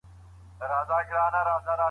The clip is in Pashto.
دوی وایي چې د کليوالو مهاجرت یوه مسله ده.